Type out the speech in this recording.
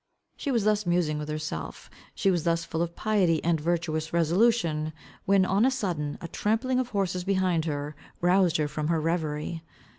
She was thus musing with herself, she was thus full of piety and virtuous resolution, when, on a sudden, a trampling of horses behind her, roused her from her reverie.